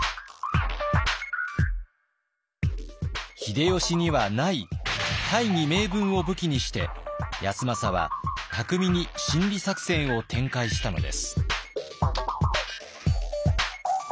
秀吉にはない大義名分を武器にして康政は巧みに心理作戦を展開したのです。